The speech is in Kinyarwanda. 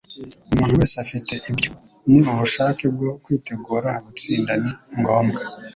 Umuntu wese afite ibyo. Ni ubushake bwo kwitegura gutsinda ni ngombwa.